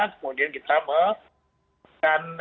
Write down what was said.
kemudian kita memiliki